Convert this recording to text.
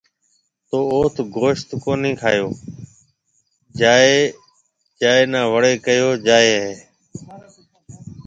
تو اوٿ گوشت ڪونِي کائيو جائي نا وڙيَ ڪيو جائي هيَ۔